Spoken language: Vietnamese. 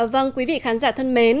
vâng quý vị khán giả thân mến